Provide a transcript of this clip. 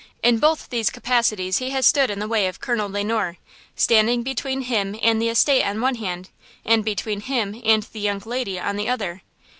In both these capacities he has stood in the way of Colonel Le Noir, standing between him and the estate on the one hand, and between him and the young lady on the other.